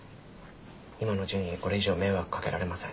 今のジュニにこれ以上迷惑かけられません。